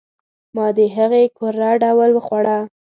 ما د هغي کره ډوډي وخوړه .